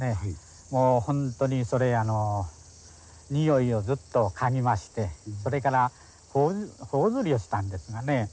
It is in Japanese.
もう本当に匂いをずっと嗅ぎましてそれから頬ずりをしたんですがね。